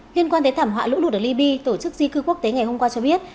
liên quan tới thảm họa lũ lụt ở libya tổ chức di cư quốc tế ngày hôm qua cho biết